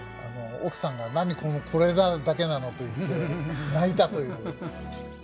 奥さんが「何このこれだけなの」と言って泣いたという。